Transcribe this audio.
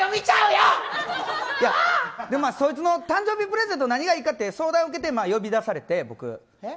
そいつの誕生日プレゼント何がいいかって相談受けて呼び出されて。